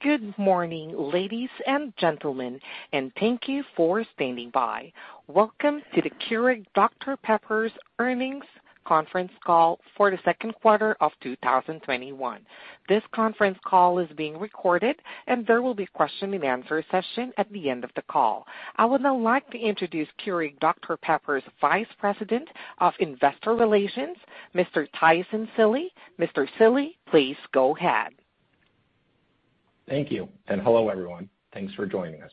Good morning, ladies and gentlemen, and thank you for standing by. Welcome to the Keurig Dr Pepper's Earnings Conference Call for the Second Quarter of 2021. This conference call is being recorded, and there will be a question and answer session at the end of the call. I would now like to introduce Keurig Dr Pepper's Vice President of Investor Relations, Mr. Tyson Seely. Mr. Seely, please go ahead. Thank you, and hello, everyone. Thanks for joining us.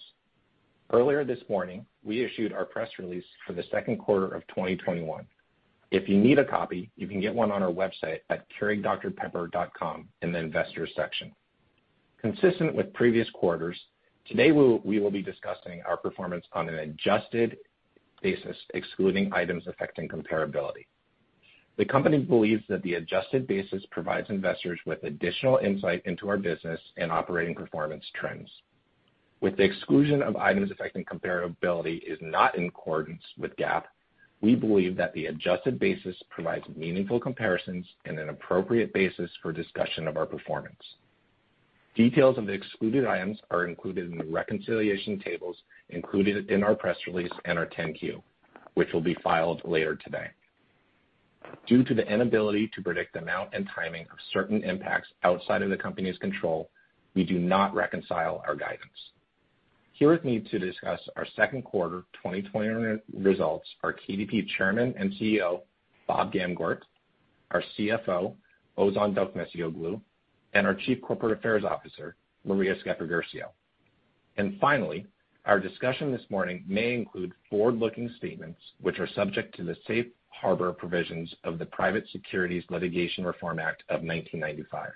Earlier this morning, we issued our press release for the second quarter of 2021. If you need a copy, you can get one on our website at keurigdrpepper.com in the Investors section. Consistent with previous quarters, today we will be discussing our performance on an adjusted basis, excluding items affecting comparability. The company believes that the adjusted basis provides investors with additional insight into our business and operating performance trends. With the exclusion of items affecting comparability is not in accordance with GAAP, we believe that the adjusted basis provides meaningful comparisons and an appropriate basis for discussion of our performance. Details of the excluded items are included in the reconciliation tables included in our press release and our 10-Q, which will be filed later today. Due to the inability to predict amount and timing of certain impacts outside of the company's control, we do not reconcile our guidance. Here with me to discuss our second quarter 2021 results are KDP Chairman and CEO, Bob Gamgort, our CFO, Ozan Dokmecioglu, and our Chief Corporate Affairs Officer, Maria Sceppaguercio. Finally, our discussion this morning may include forward-looking statements which are subject to the Safe Harbor provisions of the Private Securities Litigation Reform Act of 1995.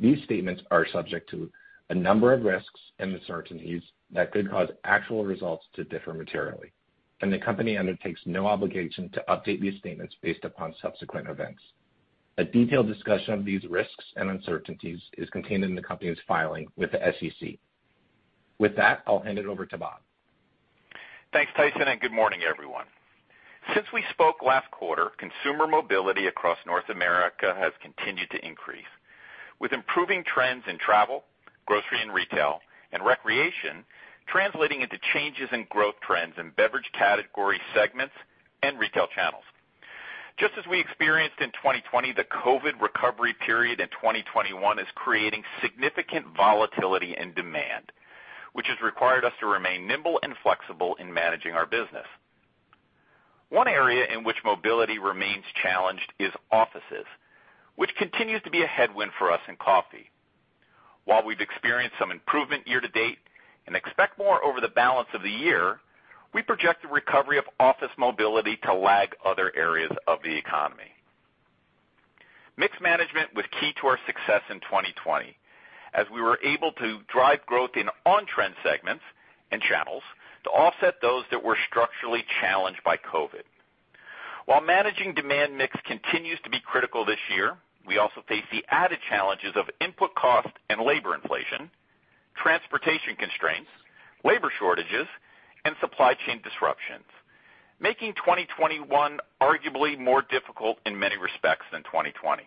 These statements are subject to a number of risks and uncertainties that could cause actual results to differ materially, and the company undertakes no obligation to update these statements based upon subsequent events. A detailed discussion of these risks and uncertainties is contained in the company's filing with the SEC. With that, I'll hand it over to Bob. Thanks, Tyson, and good morning, everyone. Since we spoke last quarter, consumer mobility across North America has continued to increase, with improving trends in travel, grocery and retail, and recreation translating into changes in growth trends in beverage category segments and retail channels. Just as we experienced in 2020, the COVID recovery period in 2021 is creating significant volatility and demand, which has required us to remain nimble and flexible in managing our business. One area in which mobility remains challenged is offices, which continues to be a headwind for us in coffee. While we've experienced some improvement year-to-date and expect more over the balance of the year, we project the recovery of office mobility to lag other areas of the economy. Mix management was key to our success in 2020, as we were able to drive growth in on-trend segments and channels to offset those that were structurally challenged by COVID. While managing demand mix continues to be critical this year, we also face the added challenges of input cost and labor inflation, transportation constraints, labor shortages, and supply chain disruptions, making 2021 arguably more difficult in many respects than 2020.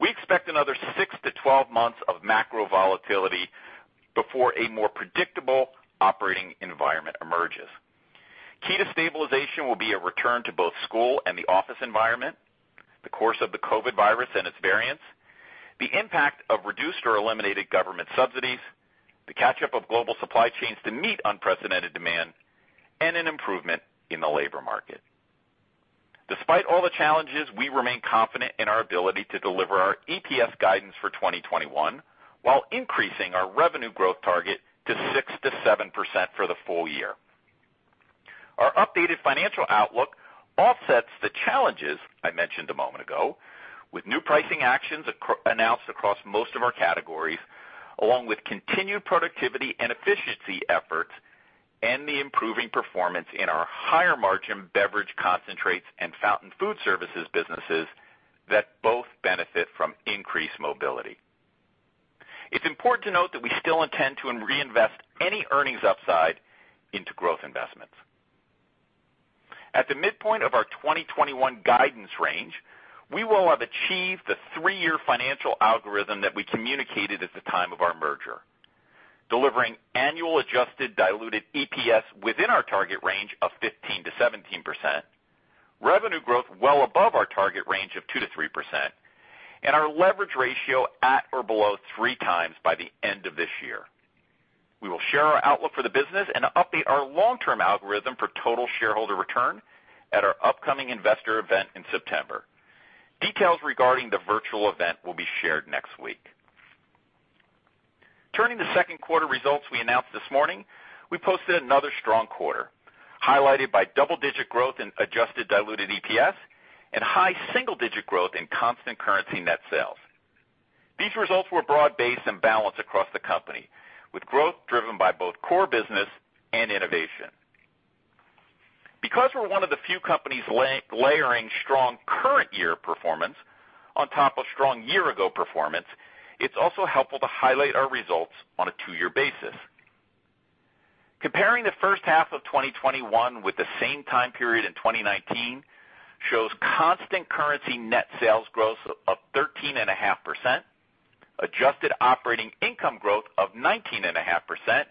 We expect another 6-12 months of macro volatility before a more predictable operating environment emerges. Key to stabilization will be a return to both school and the office environment, the course of the COVID virus and its variants, the impact of reduced or eliminated government subsidies, the catch-up of global supply chains to meet unprecedented demand, and an improvement in the labor market. Despite all the challenges, we remain confident in our ability to deliver our EPS guidance for 2021 while increasing our revenue growth target to 6%-7% for the full year. Our updated financial outlook offsets the challenges I mentioned a moment ago with new pricing actions announced across most of our categories, along with continued productivity and efficiency efforts, and the improving performance in our higher-margin Beverage Concentrates and Fountain Food Services businesses that both benefit from increased mobility. It's important to note that we still intend to reinvest any earnings upside into growth investments. At the midpoint of our 2021 guidance range, we will have achieved the three-year financial algorithm that we communicated at the time of our merger, delivering annual adjusted diluted EPS within our target range of 15%-17%, revenue growth well above our target range of 2%-3%, and our leverage ratio at or below 3x by the end of this year. We will share our outlook for the business and update our long-term algorithm for total shareholder return at our upcoming Investor Day in September. Details regarding the virtual event will be shared next week. Turning to second quarter results we announced this morning, we posted another strong quarter, highlighted by double-digit growth in adjusted diluted EPS and high single-digit growth in constant currency net sales. These results were broad-based and balanced across the company, with growth driven by both core business and innovation. Because we're one of the few companies layering strong current year performance on top of strong year ago performance, it's also helpful to highlight our results on a two-year basis. Comparing the first half of 2021 with the same time period in 2019 shows constant currency net sales growth of 13.5%, adjusted operating income growth of 19.5%,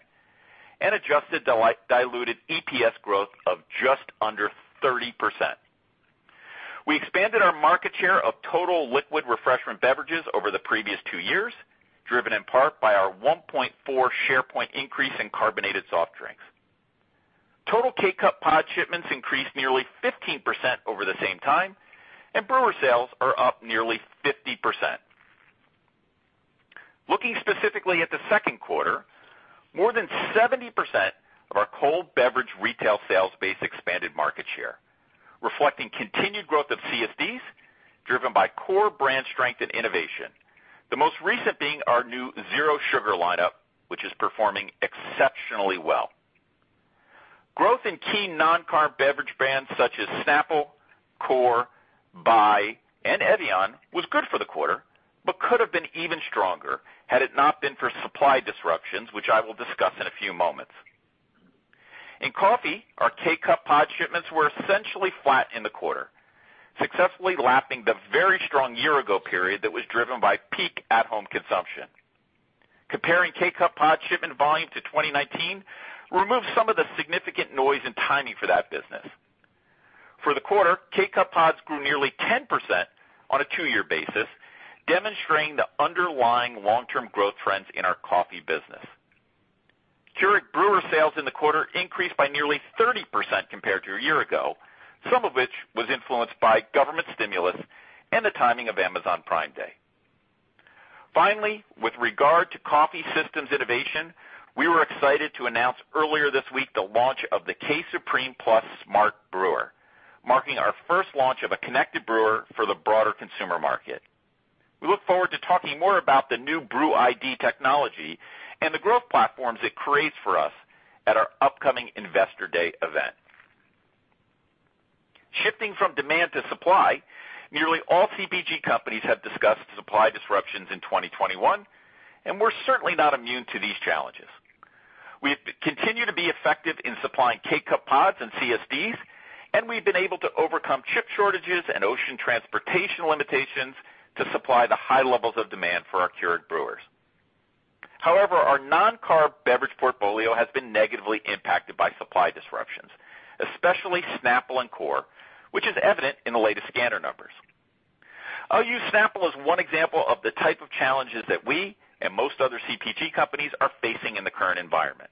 and adjusted diluted EPS growth of just under 30%. We expanded our market share of total liquid refreshment beverages over the previous two years, driven in part by our 1.4 share point increase in carbonated soft drinks. Total K-Cup pod shipments increased nearly 15% over the same time, and brewer sales are up nearly 50%. Looking specifically at the second quarter, more than 70% of our cold beverage retail sales base expanded market share, reflecting continued growth of CSDs driven by core brand strength and innovation, the most recent being our new Zero Sugar lineup, which is performing exceptionally well. Growth in key non-carb beverage brands such as Snapple, Core, Bai, and Evian was good for the quarter but could have been even stronger had it not been for supply disruptions, which I will discuss in a few moments. In coffee, our K-Cup pod shipments were essentially flat in the quarter, successfully lapping the very strong year ago period that was driven by peak at-home consumption. Comparing K-Cup pod shipment volume to 2019 removed some of the significant noise and timing for that business. For the quarter, K-Cup pods grew nearly 10% on a two-year basis, demonstrating the underlying long-term growth trends in our coffee business. Keurig brewer sales in the quarter increased by nearly 30% compared to a year ago, some of which was influenced by government stimulus and the timing of Amazon Prime Day. With regard to coffee systems innovation, we were excited to announce earlier this week the launch of the K-Supreme Plus SMART brewer, marking our first launch of a connected brewer for the broader consumer market. We look forward to talking more about the new BrewID technology and the growth platforms it creates for us at our upcoming Investor Day event. Shifting from demand to supply, nearly all CPG companies have discussed supply disruptions in 2021, and we're certainly not immune to these challenges. We continue to be effective in supplying K-Cup pods and CSDs, and we've been able to overcome chip shortages and ocean transportation limitations to supply the high levels of demand for our Keurig brewers. Our non-carb beverage portfolio has been negatively impacted by supply disruptions, especially Snapple and Core, which is evident in the latest scanner numbers. I'll use Snapple as one example of the type of challenges that we and most other CPG companies are facing in the current environment.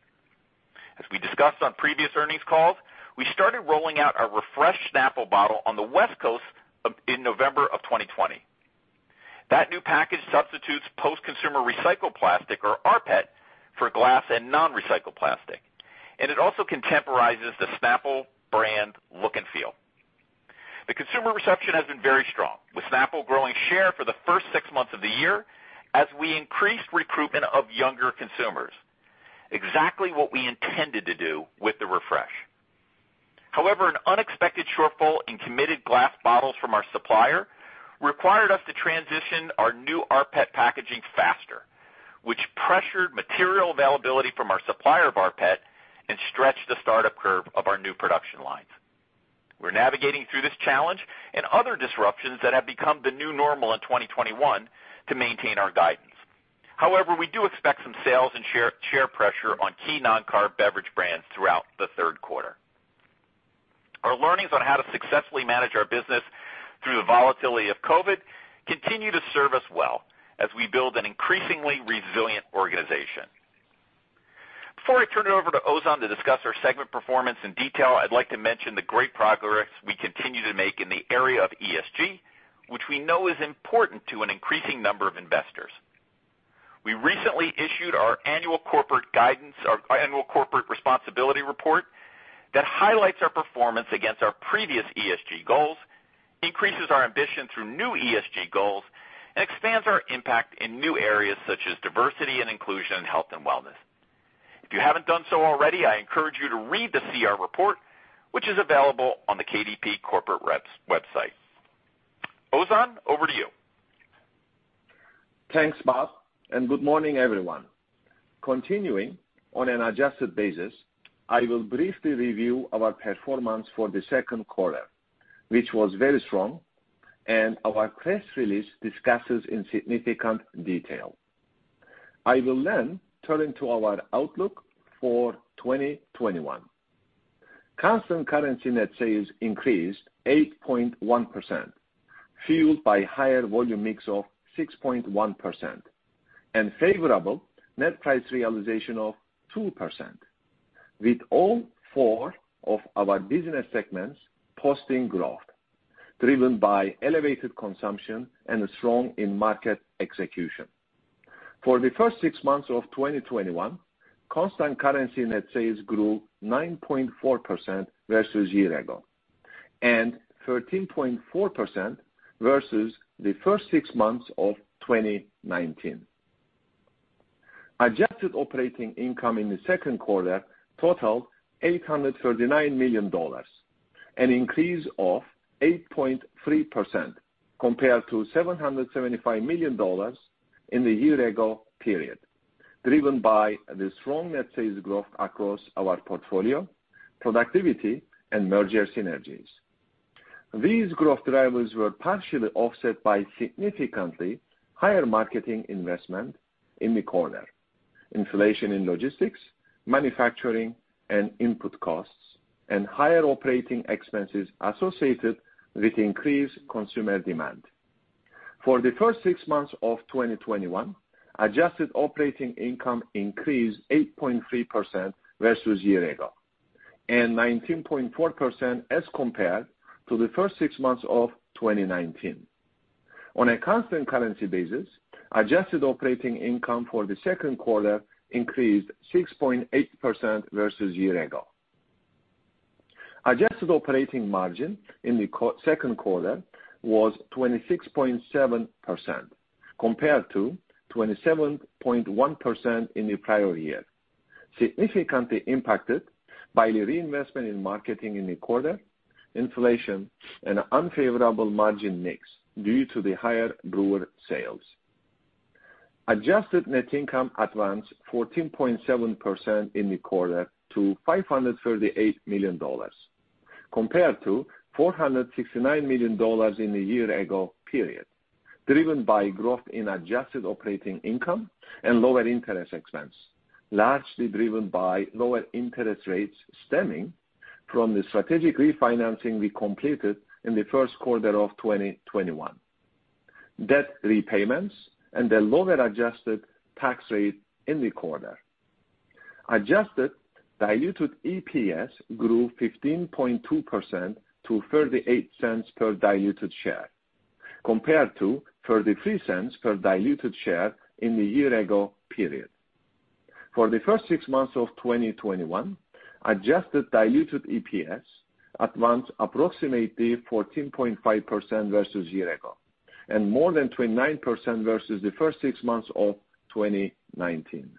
We discussed on previous earnings calls, we started rolling out our refreshed Snapple bottle on the West Coast in November of 2020. That new package substitutes post-consumer recycled plastic, or rPET, for glass and non-recycled plastic, and it also contemporizes the Snapple brand look and feel. The consumer reception has been very strong, with Snapple growing share for the first six months of the year as we increased recruitment of younger consumers, exactly what we intended to do with the refresh. However, an unexpected shortfall in committed glass bottles from our supplier required us to transition our new rPET packaging faster, which pressured material availability from our supplier of rPET and stretched the startup curve of our new production lines. We're navigating through this challenge and other disruptions that have become the new normal in 2021 to maintain our guidance. However, we do expect some sales and share pressure on key non-carb beverage brands throughout the third quarter. Our learnings on how to successfully manage our business through the volatility of COVID continue to serve us well as we build an increasingly resilient organization. Before I turn it over to Ozan to discuss our segment performance in detail, I'd like to mention the great progress we continue to make in the area of ESG, which we know is important to an increasing number of investors. We recently issued our annual corporate responsibility report that highlights our performance against our previous ESG goals, increases our ambition through new ESG goals, and expands our impact in new areas such as diversity and inclusion, health and wellness. If you haven't done so already, I encourage you to read the CR report, which is available on the KDP corporate website. Ozan, over to you. Thanks, Bob, and good morning, everyone. Continuing on an adjusted basis, I will briefly review our performance for the second quarter, which was very strong and our press release discusses in significant detail. I will then turn to our outlook for 2021. Constant currency net sales increased 8.1%, fueled by higher volume mix of 6.1% and favorable net price realization of 2%, with all four of our business segments posting growth driven by elevated consumption and a strong in-market execution. For the first six months of 2021, constant currency net sales grew 9.4% versus year-ago, and 13.4% versus the first six months of 2019. Adjusted operating income in the second quarter totaled $839 million, an increase of 8.3% compared to $775 million in the year-ago period, driven by the strong net sales growth across our portfolio, productivity, and merger synergies. These growth drivers were partially offset by significantly higher marketing investment in the quarter, inflation in logistics, manufacturing, and input costs, and higher operating expenses associated with increased consumer demand. For the first six months of 2021, adjusted operating income increased 8.3% versus year-ago, and 19.4% as compared to the first six months of 2019. On a constant currency basis, adjusted operating income for the second quarter increased 6.8% versus year-ago. Adjusted operating margin in the second quarter was 26.7% compared to 27.1% in the prior year, significantly impacted by the reinvestment in marketing in the quarter, inflation, and unfavorable margin mix due to the higher brewer sales. Adjusted net income advanced 14.7% in the quarter to $538 million, compared to $469 million in the year ago period, driven by growth in adjusted operating income and lower interest expense, largely driven by lower interest rates stemming from the strategic refinancing we completed in the first quarter of 2021. Debt repayments and the lower adjusted tax rate in the quarter. Adjusted diluted EPS grew 15.2% to $0.38 per diluted share, compared to $0.33 per diluted share in the year ago period. For the first six months of 2021, adjusted diluted EPS advanced approximately 14.5% versus year ago, and more than 29% versus the first six months of 2019.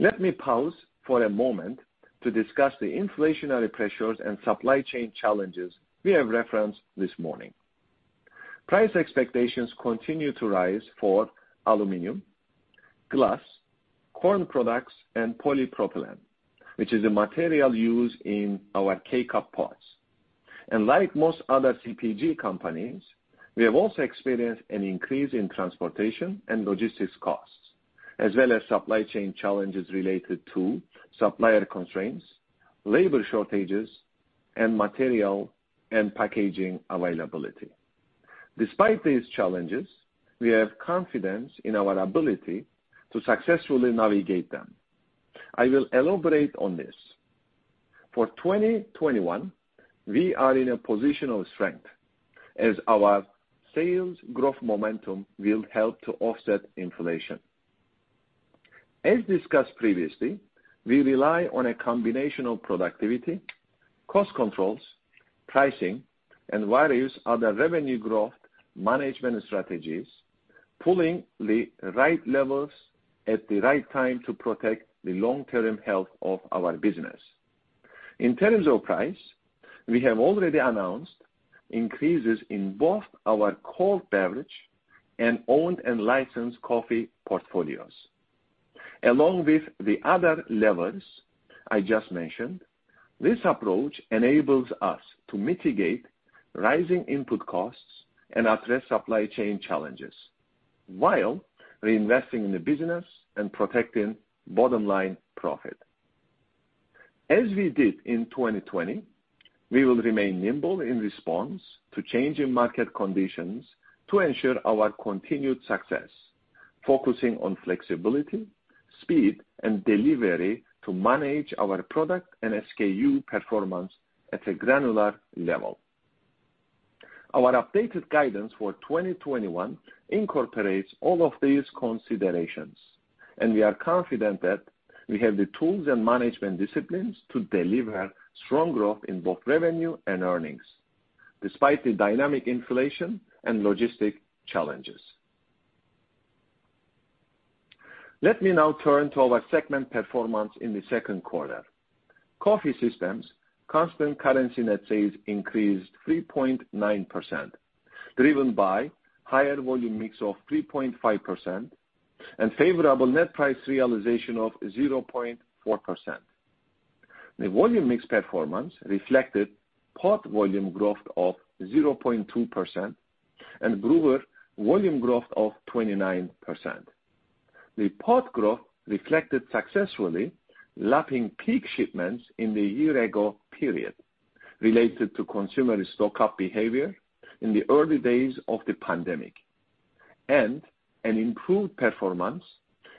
Let me pause for a moment to discuss the inflationary pressures and supply chain challenges we have referenced this morning. Price expectations continue to rise for aluminum, glass, corn products, and polypropylene, which is a material used in our K-Cup pods. Like most other CPG companies, we have also experienced an increase in transportation and logistics costs, as well as supply chain challenges related to supplier constraints, labor shortages, and material and packaging availability. Despite these challenges, we have confidence in our ability to successfully navigate them. I will elaborate on this. For 2021, we are in a position of strength as our sales growth momentum will help to offset inflation. As discussed previously, we rely on a combination of productivity, cost controls, pricing, and various other revenue growth management strategies, pulling the right levers at the right time to protect the long-term health of our business. In terms of price, we have already announced increases in both our cold beverage and owned and licensed coffee portfolios. Along with the other levers I just mentioned, this approach enables us to mitigate rising input costs and address supply chain challenges while reinvesting in the business and protecting bottom-line profit. As we did in 2020, we will remain nimble in response to changing market conditions to ensure our continued success, focusing on flexibility, speed, and delivery to manage our product and SKU performance at a granular level. Our updated guidance for 2021 incorporates all of these considerations, and we are confident that we have the tools and management disciplines to deliver strong growth in both revenue and earnings despite the dynamic inflation and logistic challenges. Let me now turn to our segment performance in the second quarter. Coffee Systems constant currency net sales increased 3.9%, driven by higher volume mix of 3.5% and favorable net price realization of 0.4%. The volume mix performance reflected pod volume growth of 0.2% and brewer volume growth of 29%. The pod growth reflected successfully lapping peak shipments in the year ago period related to consumer stock-up behavior in the early days of the pandemic, and an improved performance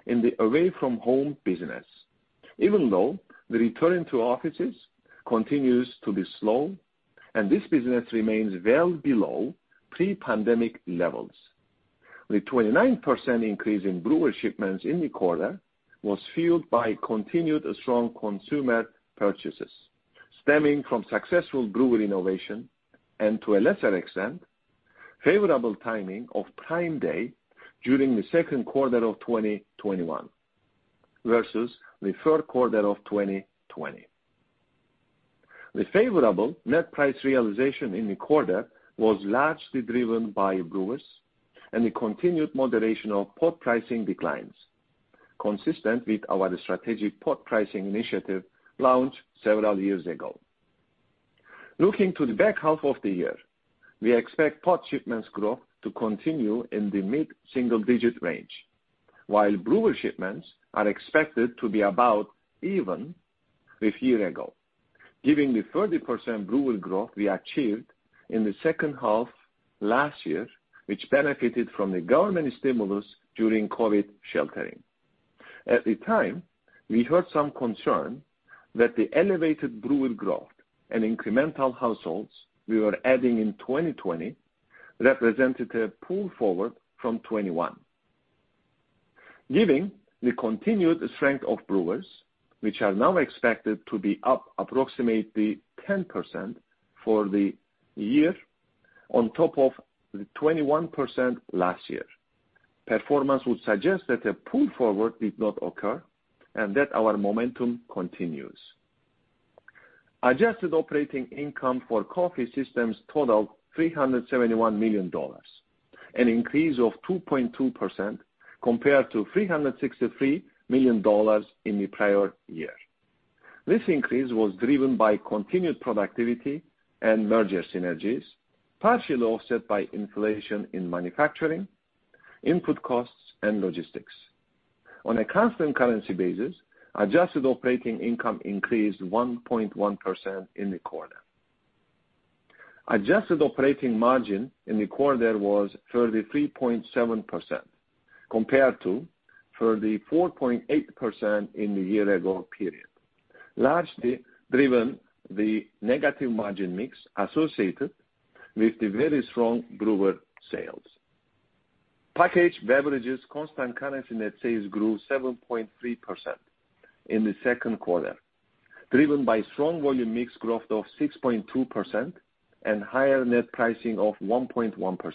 in the away-from-home business, even though the return to offices continues to be slow and this business remains well below pre-pandemic levels. The 29% increase in brewer shipments in the quarter was fueled by continued strong consumer purchases stemming from successful brewer innovation and, to a lesser extent, favorable timing of Prime Day during the second quarter of 2021 versus the third quarter of 2020. The favorable net price realization in the quarter was largely driven by brewers and the continued moderation of pod pricing declines, consistent with our strategic pod pricing initiative launched several years ago. Looking to the back half of the year, we expect pod shipments growth to continue in the mid-single-digit range, while brewer shipments are expected to be about even with a year ago. Given the 30% brewer growth we achieved in the second half last year, which benefited from the government stimulus during COVID sheltering. At the time, we heard some concern that the elevated brewer growth and incremental households we were adding in 2020 represented a pull forward from 2021. Given the continued strength of brewers, which are now expected to be up approximately 10% for the year on top of the 21% last year, performance would suggest that a pull forward did not occur and that our momentum continues. Adjusted operating income for Coffee Systems totaled $371 million, an increase of 2.2% compared to $363 million in the prior year. This increase was driven by continued productivity and merger synergies, partially offset by inflation in manufacturing, input costs, and logistics. On a constant currency basis, adjusted operating income increased 1.1% in the quarter. Adjusted operating margin in the quarter was 33.7% compared to 34.8% in the year-ago period, largely driven the negative margin mix associated with the very strong brewer sales. Packaged Beverages constant currency net sales grew 7.3% in the second quarter, driven by strong volume mix growth of 6.2% and higher net pricing of 1.1%.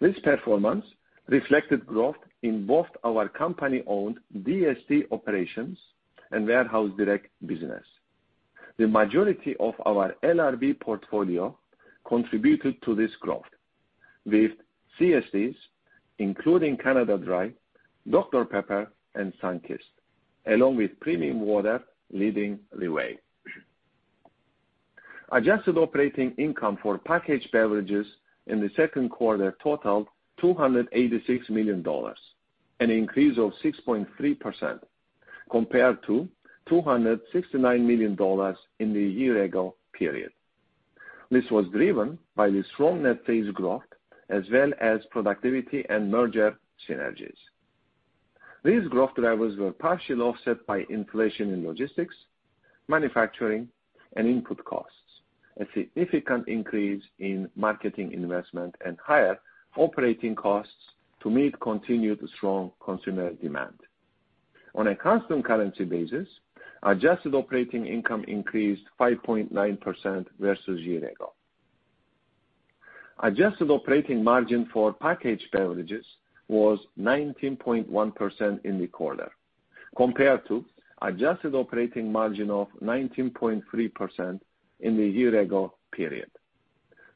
This performance reflected growth in both our company-owned DSD operations and warehouse direct business. The majority of our LRB portfolio contributed to this growth, with CSDs, including Canada Dry, Dr Pepper, and Sunkist, along with premium water leading the way. Adjusted operating income for Packaged Beverages in the second quarter totaled $286 million, an increase of 6.3% compared to $269 million in the year-ago period. This was driven by the strong net sales growth as well as productivity and merger synergies. These growth drivers were partially offset by inflation in logistics, manufacturing, and input costs, a significant increase in marketing investment, and higher operating costs to meet continued strong consumer demand. On a constant currency basis, adjusted operating income increased 5.9% versus year ago. Adjusted operating margin for Packaged Beverages was 19.1% in the quarter compared to adjusted operating margin of 19.3% in the year-ago period,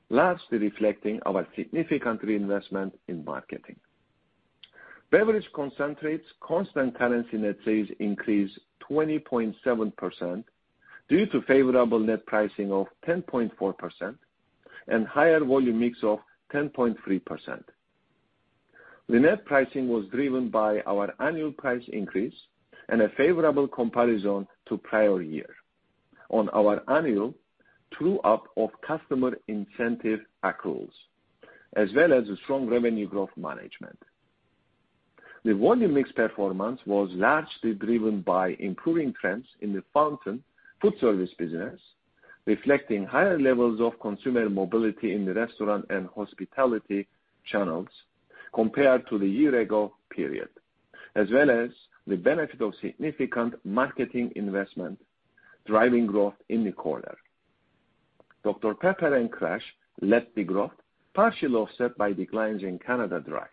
largely reflecting our significant reinvestment in marketing. Beverage Concentrates constant currency net sales increased 20.7% due to favorable net pricing of 10.4% and higher volume mix of 10.3%. The net pricing was driven by our annual price increase and a favorable comparison to prior year on our annual true-up of customer incentive accruals, as well as strong revenue growth management. The volume mix performance was largely driven by improving trends in the Fountain Food Service business, reflecting higher levels of consumer mobility in the restaurant and hospitality channels compared to the year-ago period, as well as the benefit of significant marketing investment driving growth in the quarter. Dr Pepper and Crush led the growth, partially offset by declines in Canada Dry.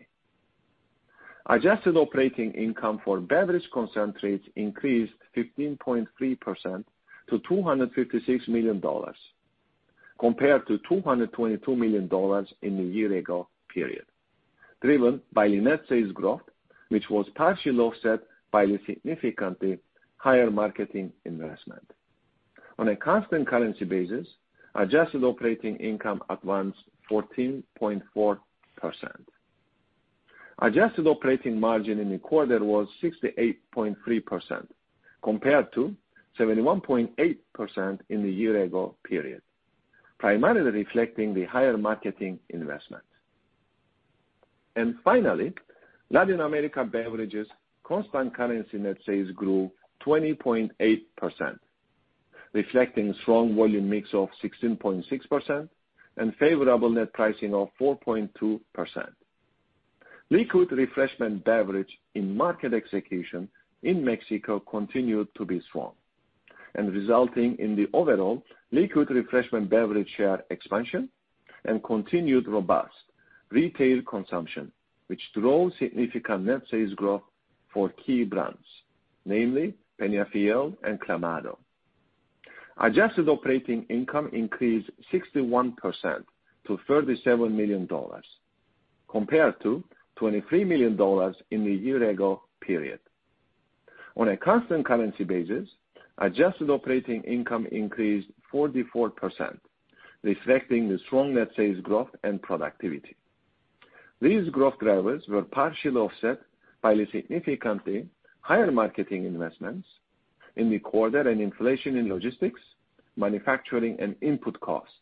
Adjusted operating income for Beverage Concentrates increased 15.3% to $256 million compared to $222 million in the year-ago period, driven by the net sales growth, which was partially offset by the significantly higher marketing investment. On a constant currency basis, adjusted operating income advanced 14.4%. Adjusted operating margin in the quarter was 68.3% compared to 71.8% in the year-ago period, primarily reflecting the higher marketing investment. Finally, Latin America Beverages constant currency net sales grew 20.8%, reflecting strong volume mix of 16.6% and favorable net pricing of 4.2%. Liquid refreshment beverage in market execution in Mexico continued to be strong. Resulting in the overall liquid refreshment beverage share expansion and continued robust retail consumption, which drove significant net sales growth for key brands, namely Peñafiel and Clamato. Adjusted operating income increased 61% to $37 million compared to $23 million in the year-ago period. On a constant currency basis, adjusted operating income increased 44%, reflecting the strong net sales growth and productivity. These growth drivers were partially offset by the significantly higher marketing investments in the quarter and inflation in logistics, manufacturing, and input costs.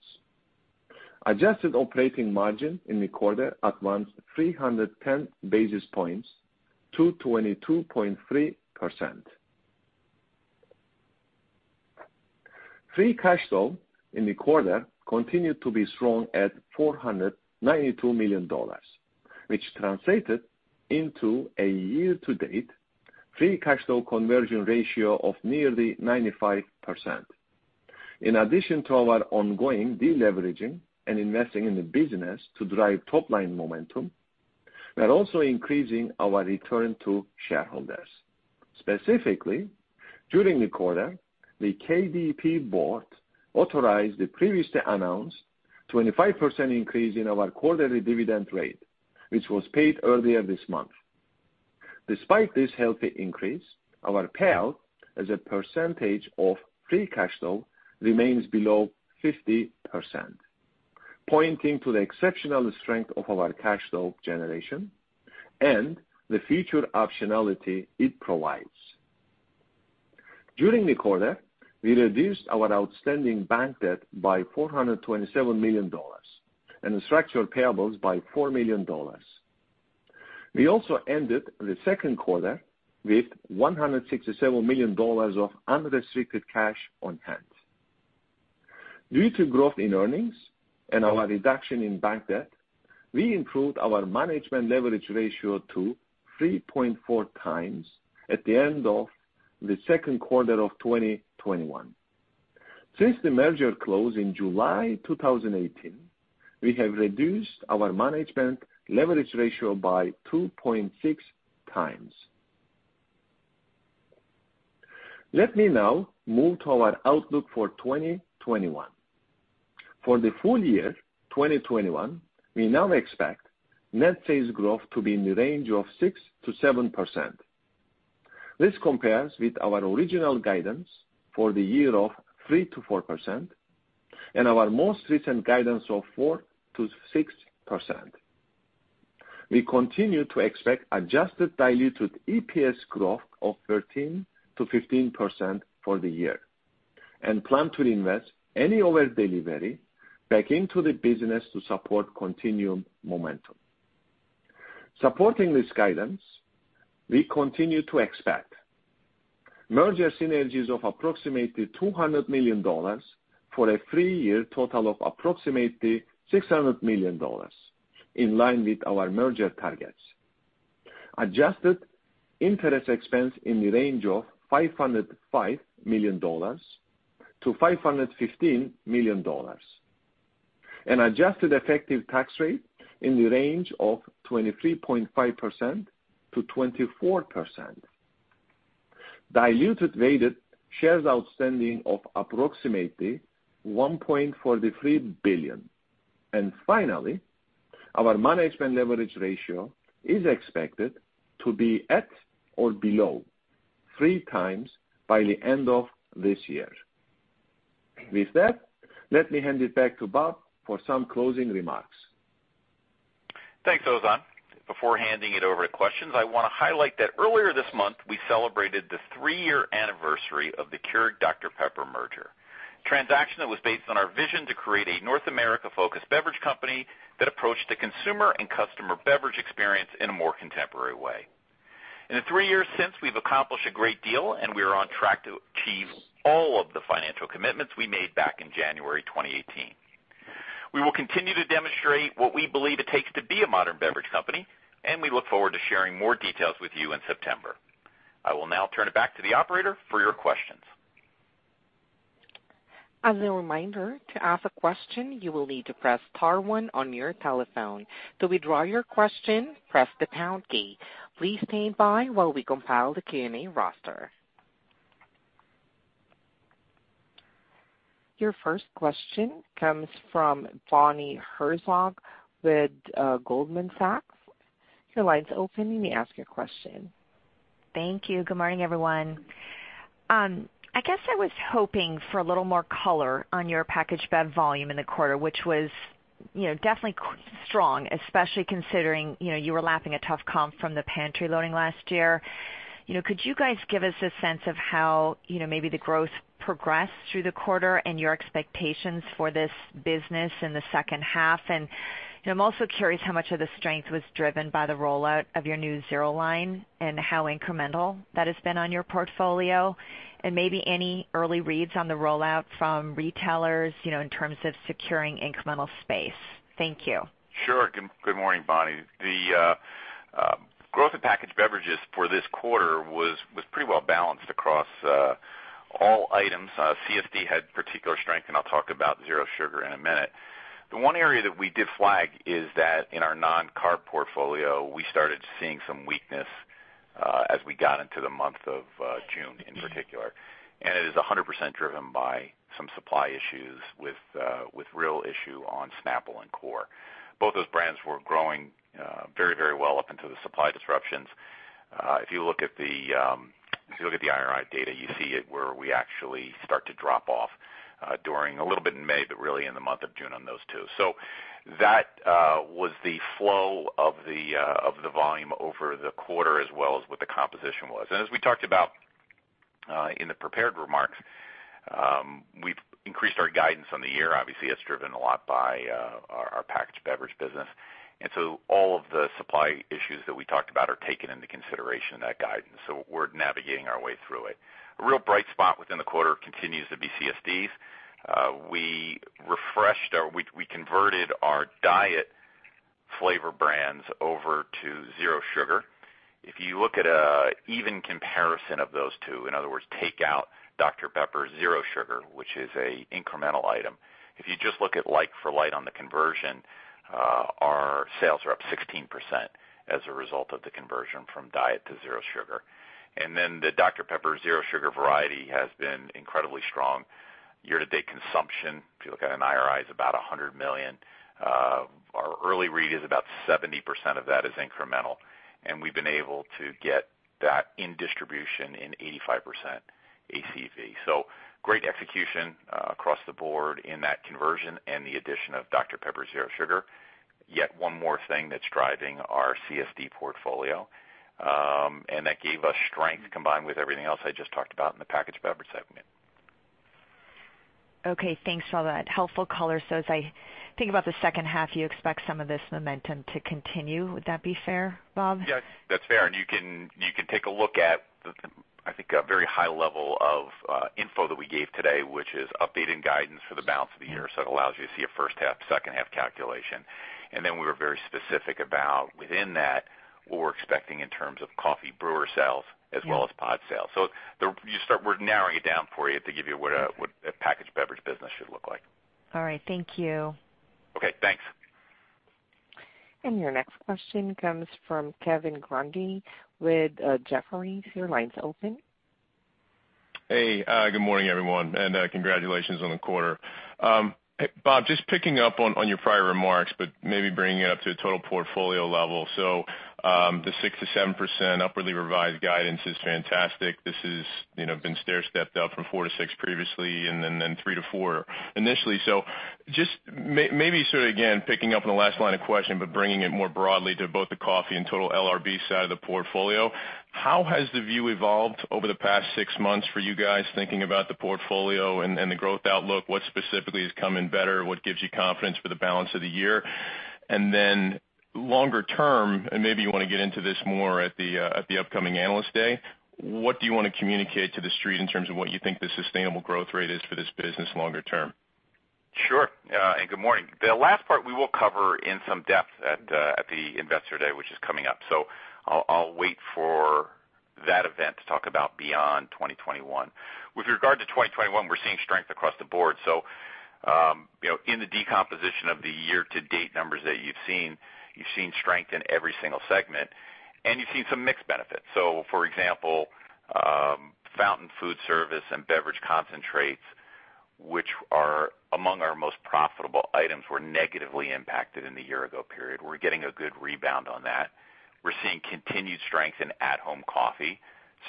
Adjusted operating margin in the quarter advanced 310 basis points to 22.3%. Free cash flow in the quarter continued to be strong at $492 million, which translated into a year-to-date free cash flow conversion ratio of nearly 95%. In addition to our ongoing de-leveraging and investing in the business to drive top-line momentum, we are also increasing our return to shareholders. Specifically, during the quarter, the KDP board authorized the previously announced 25% increase in our quarterly dividend rate, which was paid earlier this month. Despite this healthy increase, our payout as a percentage of free cash flow remains below 50%, pointing to the exceptional strength of our cash flow generation and the future optionality it provides. During the quarter, we reduced our outstanding bank debt by $427 million and structural payables by $4 million. We also ended the second quarter with $167 million of unrestricted cash on hand. Due to growth in earnings and our reduction in bank debt, we improved our management leverage ratio to 3.4x at the end of the second quarter of 2021. Since the merger close in July 2018, we have reduced our management leverage ratio by 2.6x. Let me now move to our outlook for 2021. For the full year 2021, we now expect net sales growth to be in the range of 6%-7%. This compares with our original guidance for the year of 3%-4% and our most recent guidance of 4%-6%. We continue to expect adjusted diluted EPS growth of 13%-15% for the year, and plan to invest any over-delivery back into the business to support continued momentum. Supporting this guidance, we continue to expect merger synergies of approximately $200 million for a three-year total of approximately $600 million, in line with our merger targets. Adjusted interest expense in the range of $505 million-$515 million. An adjusted effective tax rate in the range of 23.5%-24%. Diluted weighted shares outstanding of approximately 1.43 billion. Finally, our management leverage ratio is expected to be at or below 3x by the end of this year. With that, let me hand it back to Bob for some closing remarks. Thanks, Ozan. Before handing it over to questions, I want to highlight that earlier this month, we celebrated the three-year anniversary of the Keurig Dr Pepper merger. A transaction that was based on our vision to create a North America-focused beverage company that approached the consumer and customer beverage experience in a more contemporary way. In the three years since, we've accomplished a great deal, and we are on track to achieve all of the financial commitments we made back in January 2018. We will continue to demonstrate what we believe it takes to be a modern beverage company, and we look forward to sharing more details with you in September. I will now turn it back to the operator for your questions. As a reminder, to ask a question, you will need to press star one on your telephone. To withdraw your question, press the pound key. Please stand by while we compile the Q&A roster. Your first question comes from Bonnie Herzog with Goldman Sachs. Your line's open. You may ask your question. Thank you. Good morning, everyone. I guess I was hoping for a little more color on your packaged bev volume in the quarter, which was definitely strong, especially considering you were lapping a tough comp from the pantry loading last year. Could you guys give us a sense of how maybe the growth progressed through the quarter and your expectations for this business in the second half? I'm also curious how much of the strength was driven by the rollout of your new Zero Sugar and how incremental that has been on your portfolio. Maybe any early reads on the rollout from retailers in terms of securing incremental space. Thank you. Sure. Good morning, Bonnie. The Growth in Packaged Beverages for this quarter was pretty well-balanced across all items. CSD had particular strength. I'll talk about Zero Sugar in a minute. The one area that we did flag is that in our non-carb portfolio, we started seeing some weakness as we got into the month of June, in particular. It is 100% driven by some supply issues with real issue on Snapple and Core. Both those brands were growing very well up until the supply disruptions. If you look at the IRI data, you see it where we actually start to drop off during a little bit in May, really in the month of June on those two. That was the flow of the volume over the quarter, as well as what the composition was. As we talked about in the prepared remarks, we've increased our guidance on the year. Obviously, that's driven a lot by our Packaged Beverages business. All of the supply issues that we talked about are taken into consideration in that guidance. We're navigating our way through it. A real bright spot within the quarter continues to be CSDs. We converted our diet flavor brands over to Zero Sugar. If you look at an even comparison of those two, in other words, take out Dr Pepper Zero Sugar, which is an incremental item. If you just look at like for like on the conversion, our sales are up 16% as a result of the conversion from Diet to Zero Sugar. The Dr Pepper Zero Sugar variety has been incredibly strong. Year-to-date consumption, if you look at an IRI, is about $100 million. Our early read is about 70% of that is incremental, and we've been able to get that in distribution in 85% ACV. Great execution across the board in that conversion and the addition of Dr Pepper Zero Sugar. Yet one more thing that's driving our CSD portfolio, and that gave us strength combined with everything else I just talked about in the Packaged Beverages segment. Okay, thanks for that helpful color. As I think about the second half, you expect some of this momentum to continue. Would that be fair, Bob? Yes, that's fair. You can take a look at, I think, a very high level of info that we gave today, which is updated guidance for the balance of the year. It allows you to see a first half, second half calculation. We were very specific about within that, what we're expecting in terms of coffee brewer sales as well as pod sales. We're narrowing it down for you to give you what a Packaged Beverages business should look like. All right. Thank you. Okay, thanks. Your next question comes from Kevin Grundy with Jefferies. Your line's open. Good morning, everyone, and congratulations on the quarter. Bob, just picking up on your prior remarks, but maybe bringing it up to a total portfolio level. The 6%-7% upwardly revised guidance is fantastic. This has been stair-stepped up from 4%-6% previously, and then 3%-4% initially. Just maybe sort of, again, picking up on the last line of questioning, but bringing it more broadly to both the coffee and total LRB side of the portfolio, how has the view evolved over the past six months for you guys thinking about the portfolio and the growth outlook? What specifically has come in better? What gives you confidence for the balance of the year? Longer term, and maybe you want to get into this more at the upcoming Investor Day, what do you want to communicate to the street in terms of what you think the sustainable growth rate is for this business longer term? Sure. Good morning. The last part we will cover in some depth at the Investor Day, which is coming up. I'll wait for that event to talk about beyond 2021. With regard to 2021, we're seeing strength across the board. In the decomposition of the year-to-date numbers that you've seen, you've seen strength in every single segment, and you've seen some mixed benefits. For example, Fountain Food Service and Beverage Concentrates, which are among our most profitable items, were negatively impacted in the year ago period. We're getting a good rebound on that. We're seeing continued strength in at-home coffee,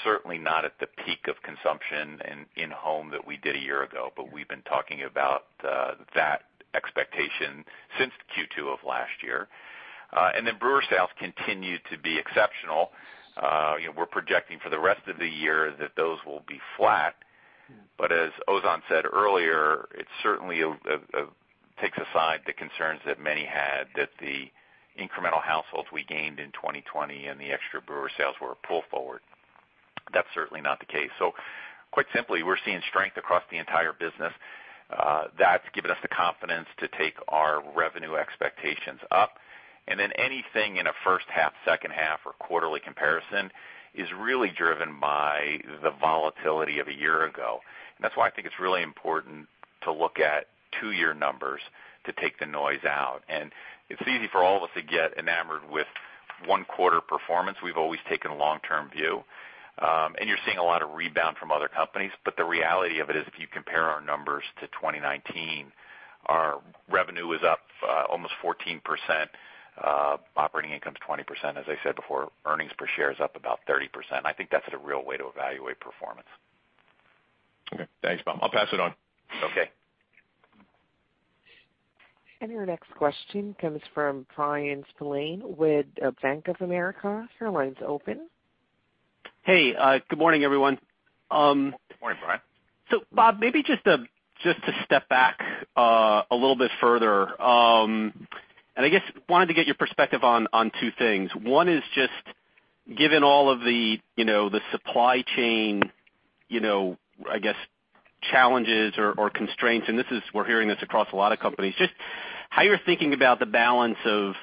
certainly not at the peak of consumption in-home that we did a year ago. We've been talking about that expectation since Q2 of last year. Brewer sales continue to be exceptional. We're projecting for the rest of the year that those will be flat. As Ozan said earlier, it certainly takes aside the concerns that many had that the incremental households we gained in 2020 and the extra brewer sales were a pull forward. That's certainly not the case. Quite simply, we're seeing strength across the entire business. That's given us the confidence to take our revenue expectations up, and then anything in a first half, second half, or quarterly comparison is really driven by the volatility of a year ago. That's why I think it's really important to look at two-year numbers to take the noise out. It's easy for all of us to get enamored with one quarter performance. We've always taken a long-term view. You're seeing a lot of rebound from other companies. The reality of it is, if you compare our numbers to 2019, our revenue is up almost 14%. Operating income is 20%, as I said before. Earnings per share is up about 30%. I think that's the real way to evaluate performance. Okay. Thanks, Bob. I'll pass it on. Okay. Your next question comes from Bryan Spillane with Bank of America. Your line's open. Hey, good morning, everyone. Good morning, Bryan. Bob, maybe just to step back a little bit further, and I guess wanted to get your perspective on two things. One is just given all of the supply chain, I guess, challenges or constraints, and we're hearing this across a lot of companies, just how you're thinking about the balance of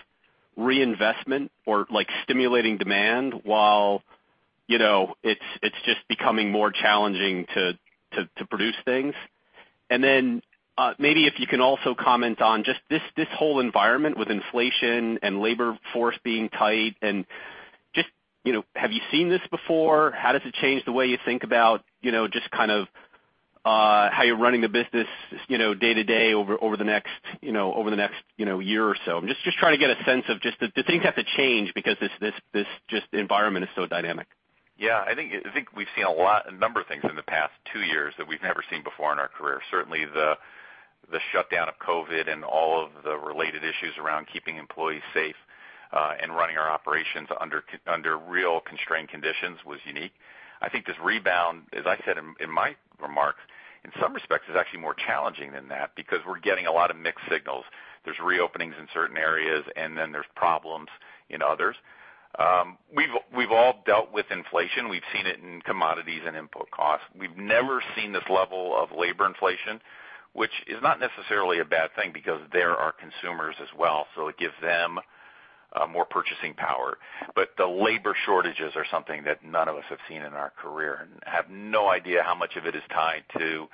reinvestment or stimulating demand while it's just becoming more challenging to produce things. Then maybe if you can also comment on just this whole environment with inflation and labor force being tight and just have you seen this before? How does it change the way you think about just kind of how you're running the business day-to-day over the next year or so? I'm just trying to get a sense of just do things have to change because this environment is so dynamic? I think we've seen a number of things in the past two years that we've never seen before in our career. Certainly the shutdown of COVID and all of the related issues around keeping employees safe, and running our operations under real constrained conditions was unique. I think this rebound, as I said in my remarks, in some respects is actually more challenging than that because we're getting a lot of mixed signals. There's reopenings in certain areas, there's problems in others. We've all dealt with inflation. We've seen it in commodities and input costs. We've never seen this level of labor inflation, which is not necessarily a bad thing because they're our consumers as well, it gives them more purchasing power. The labor shortages are something that none of us have seen in our career, and have no idea how much of it is tied to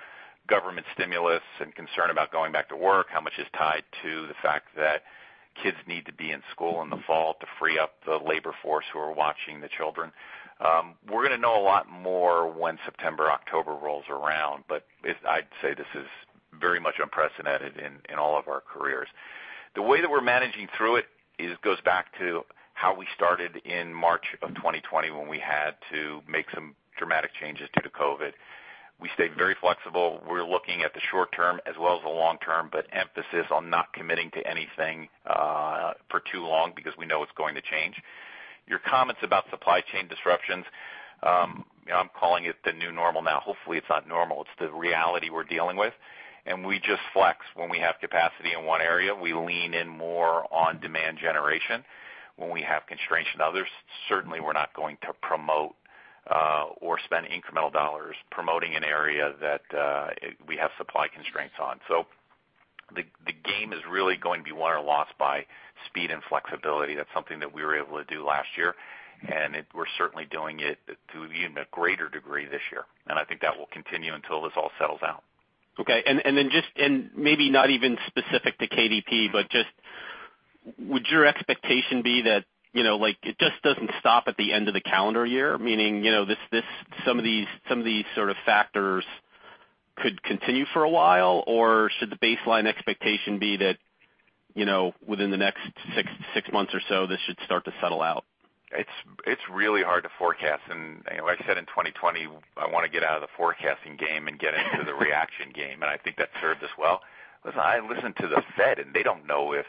government stimulus and concern about going back to work, how much is tied to the fact that kids need to be in school in the fall to free up the labor force who are watching the children. We're gonna know a lot more when September, October rolls around, but I'd say this is very much unprecedented in all of our careers. The way that we're managing through it goes back to how we started in March of 2020 when we had to make some dramatic changes due to COVID. We stayed very flexible. We're looking at the short term as well as the long term, but emphasis on not committing to anything for too long because we know it's going to change. Your comments about supply chain disruptions, I'm calling it the new normal now. Hopefully, it's not normal, it's the reality we're dealing with, and we just flex. When we have capacity in one area, we lean in more on demand generation. When we have constraints in others, certainly we're not going to promote, or spend incremental dollars promoting an area that we have supply constraints on. The game is really going to be won or lost by speed and flexibility. That's something that we were able to do last year, and we're certainly doing it to even a greater degree this year, and I think that will continue until this all settles out. Okay. Maybe not even specific to KDP, but just would your expectation be that it just doesn't stop at the end of the calendar year, meaning some of these sort of factors could continue for a while, or should the baseline expectation be that within the next six months or so, this should start to settle out? It's really hard to forecast and like I said, in 2020, I want to get out of the forecasting game and get into the reaction game, and I think that served us well. Listen, I listen to the Fed, and they don't know if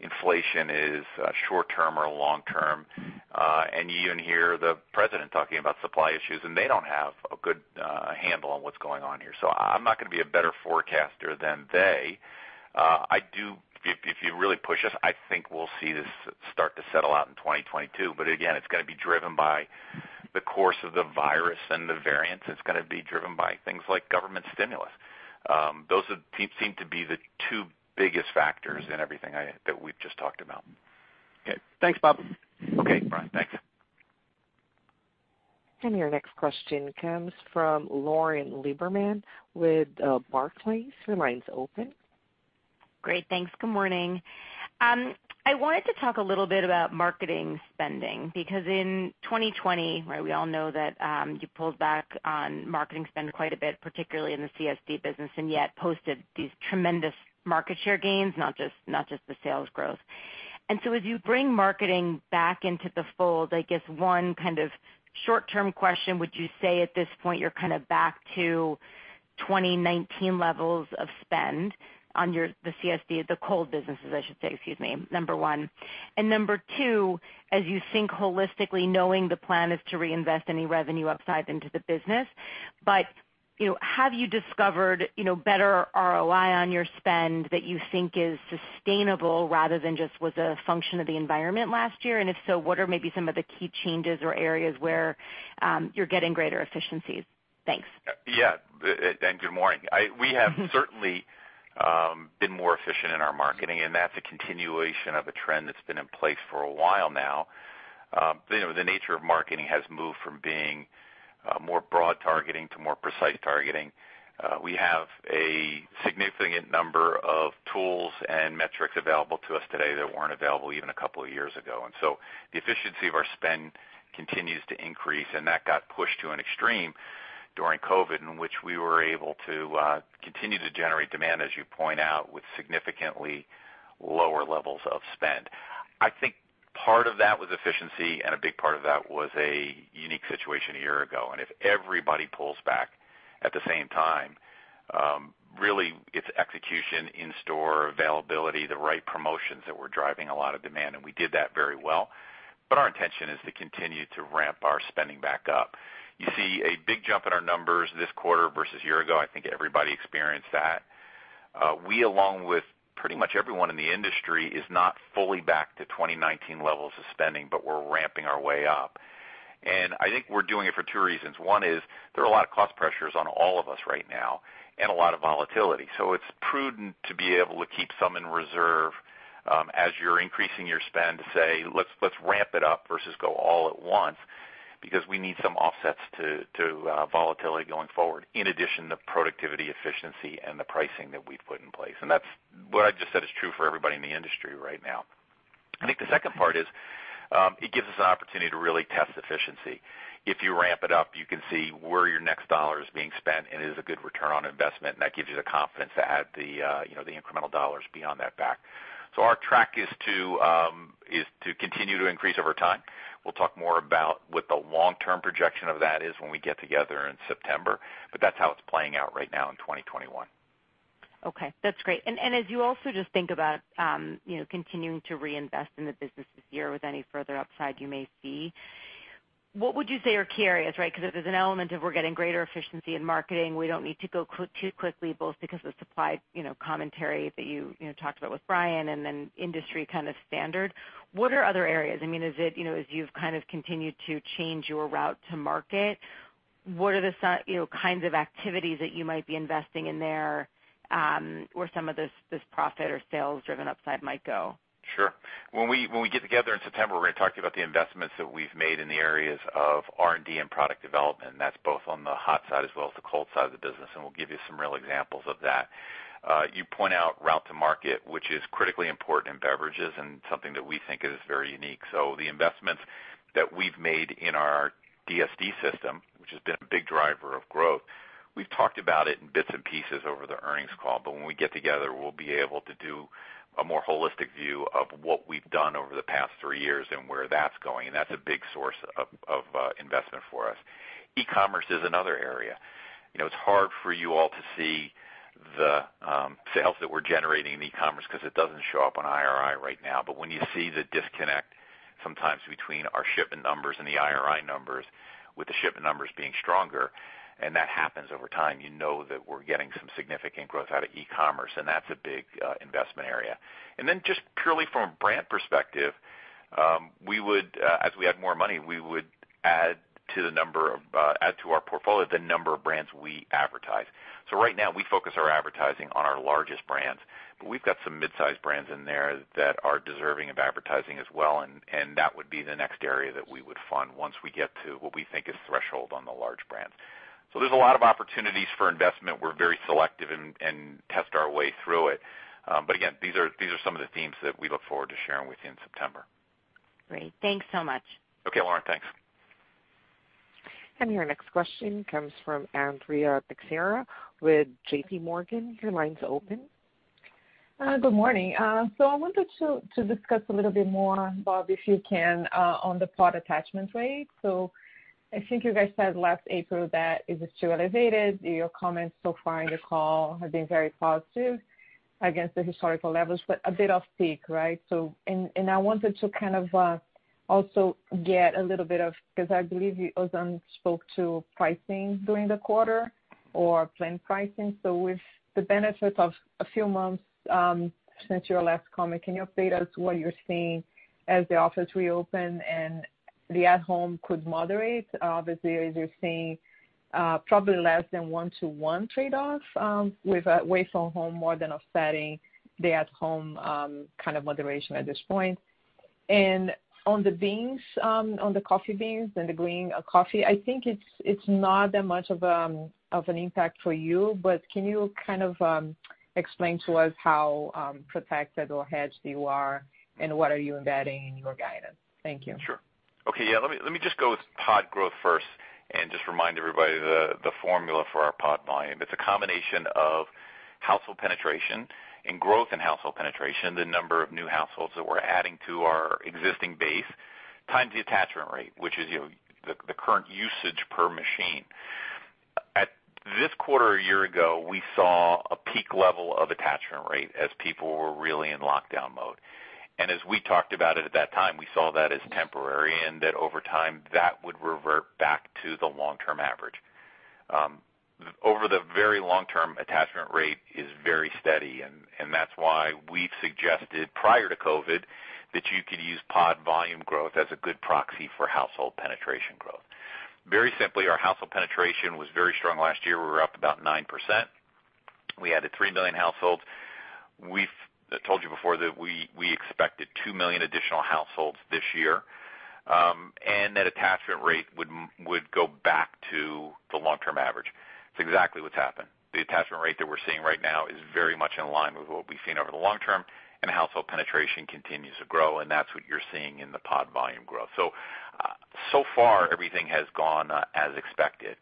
inflation is short-term or long-term. You even hear the president talking about supply issues, and they don't have a good handle on what's going on here. I'm not gonna be a better forecaster than they. If you really push us, I think we'll see this start to settle out in 2022. Again, it's gonna be driven by the course of the virus and the variants. It's gonna be driven by things like government stimulus. Those seem to be the two biggest factors in everything that we've just talked about. Okay. Thanks, Bob. Okay. Bryan, thanks. Your next question comes from Lauren Lieberman with Barclays. Your line's open. Great. Thanks. Good morning. I wanted to talk a little bit about marketing spending because in 2020, right, we all know that you pulled back on marketing spend quite a bit, particularly in the CSD business, and yet posted these tremendous market share gains, not just the sales growth. As you bring marketing back into the fold, I guess one kind of short-term question, would you say at this point you're kind of back to 2019 levels of spend on the CSD, the cold businesses I should say, excuse me, number one. Number two, as you think holistically, knowing the plan is to reinvest any revenue upside into the business, but have you discovered better ROI on your spend that you think is sustainable rather than just was a function of the environment last year? If so, what are maybe some of the key changes or areas where you're getting greater efficiencies? Thanks. Good morning. We have certainly been more efficient in our marketing, and that's a continuation of a trend that's been in place for a while now. The nature of marketing has moved from being more broad targeting to more precise targeting. We have a significant number of tools and metrics available to us today that weren't available even two years ago. So the efficiency of our spend continues to increase, and that got pushed to an extreme during COVID, in which we were able to continue to generate demand, as you point out, with significantly lower levels of spend. I think part of that was efficiency and a big part of that was a unique situation one year ago. If everybody pulls back at the same time, really it's execution, in-store availability, the right promotions that were driving a lot of demand, and we did that very well. Our intention is to continue to ramp our spending back up. You see a big jump in our numbers this quarter versus a year ago. I think everybody experienced that. We, along with pretty much everyone in the industry, is not fully back to 2019 levels of spending, but we're ramping our way up. I think we're doing it for two reasons. One is there are a lot of cost pressures on all of us right now and a lot of volatility. It's prudent to be able to keep some in reserve as you're increasing your spend to say, "Let's ramp it up versus go all at once," because we need some offsets to volatility going forward, in addition to productivity, efficiency and the pricing that we've put in place. What I just said is true for everybody in the industry right now. I think the second part is it gives us an opportunity to really test efficiency. If you ramp it up, you can see where your next dollar is being spent, and it is a good ROI, and that gives you the confidence to add the incremental dollars beyond that back. Our track is to continue to increase over time. We'll talk more about what the long-term projection of that is when we get together in September, but that's how it's playing out right now in 2021. Okay, that's great. As you also just think about continuing to reinvest in the business this year with any further upside you may see, what would you say are key areas? Because if there's an element of we're getting greater efficiency in marketing, we don't need to go too quickly, both because of the supply commentary that you talked about with Bryan Spillane and then industry kind of standard. What are other areas? As you've kind of continued to change your route to market, what are the kinds of activities that you might be investing in there, where some of this profit or sales-driven upside might go? Sure. When we get together in September, we're going to talk to you about the investments that we've made in the areas of R&D and product development, and that's both on the hot side as well as the cold side of the business, and we'll give you some real examples of that. You point out route to market, which is critically important in beverages and something that we think is very unique. The investments that we've made in our DSD system, which has been a big driver of growth, we've talked about it in bits and pieces over the earnings call, but when we get together, we'll be able to do a more holistic view of what we've done over the past three years and where that's going, and that's a big source of investment for us. E-commerce is another area. It's hard for you all to see the sales that we're generating in e-commerce because it doesn't show up on IRI right now. When you see the disconnect sometimes between our shipment numbers and the IRI numbers, with the shipment numbers being stronger, and that happens over time, you know that we're getting some significant growth out of e-commerce, and that's a big investment area. Just purely from a brand perspective, as we add more money, we would add to our portfolio the number of brands we advertise. Right now, we focus our advertising on our largest brands, but we've got some mid-size brands in there that are deserving of advertising as well, and that would be the next area that we would fund once we get to what we think is threshold on the large brands. There's a lot of opportunities for investment. We're very selective and test our way through it. Again, these are some of the themes that we look forward to sharing with you in September. Great. Thanks so much. Okay, Lauren. Thanks. Your next question comes from Andrea Teixeira with JPMorgan. Your line's open. Good morning. I wanted to discuss a little bit more, Bob, if you can, on the pod attachment rate. I think you guys said last April that it was too elevated. Your comments so far in the call have been very positive against the historical levels, but a bit off peak, right? I wanted to kind of also get a little bit of, because I believe Ozan spoke to pricing during the quarter or planned pricing. With the benefit of a few months since your last comment, can you update us what you're seeing as the office reopen and the at-home could moderate? Obviously, as you're seeing probably less than one-to-one trade-off, with away from home more than offsetting the at-home kind of moderation at this point. On the coffee beans and the green coffee, I think it's not that much of an impact for you, but can you kind of explain to us how protected or hedged you are, and what are you embedding in your guidance? Thank you. Sure. Okay, yeah, let me just go with pod growth first and just remind everybody the formula for our pod volume. It's a combination of household penetration and growth in household penetration, the number of new households that we're adding to our existing base, times the attachment rate, which is the current usage per machine. At this quarter a year ago, we saw a peak level of attachment rate as people were really in lockdown mode. As we talked about it at that time, we saw that as temporary and that over time, that would revert back to the long-term average. Over the very long term, attachment rate is very steady, and that's why we've suggested prior to COVID, that you could use pod volume growth as a good proxy for household penetration growth. Very simply, our household penetration was very strong last year. We were up about 9%. We added three million households. We've told you before that we expected two million additional households this year, and that attachment rate would go back to the long-term average. It's exactly what's happened. The attachment rate that we're seeing right now is very much in line with what we've seen over the long term, and household penetration continues to grow, and that's what you're seeing in the pod volume growth. So far, everything has gone as expected.